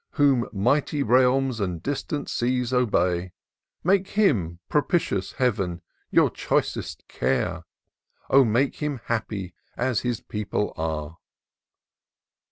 Whom mighty realms and distant seas obey ! Make him, propitious Heaven! your choicest care! O make him happy as his people axe